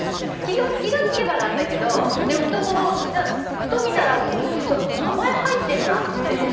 気が付けばなんだけどふと見たら名前入ってるなっていう。